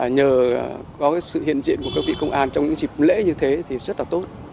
nhờ có sự hiện diện của các vị công an trong những dịp lễ như thế thì rất là tốt